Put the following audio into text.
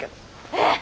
えっ？